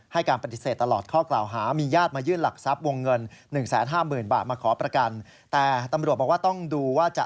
ให้การปฏิเสธตลอดข้อกล่าวหา